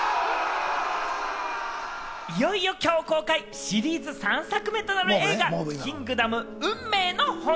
いよいよ、きょう公開、シリーズ３作目となる映画『キングダム運命の炎』。